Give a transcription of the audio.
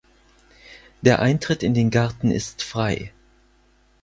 Der Eintritt in den Garten ist frei.